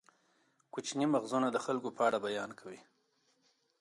کوچني مغزونه د خلکو په اړه بیان کوي.